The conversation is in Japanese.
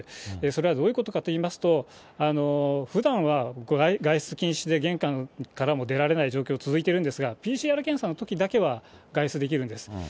それはどういうことかといいますと、ふだんは外出禁止で、玄関からも出られない状況続いているんですが、ＰＣＲ検査のときだけは外出できるんです。